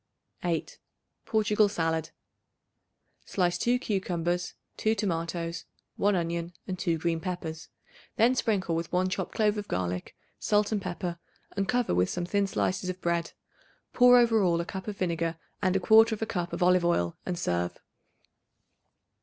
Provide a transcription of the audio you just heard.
8. Portugal Salad. Slice 2 cucumbers, 2 tomatoes, 1 onion and two green peppers. Then sprinkle with 1 chopped clove of garlic, salt and pepper and cover with some thin slices of bread. Pour over all a cup of vinegar and 1/4 cup of olive oil and serve.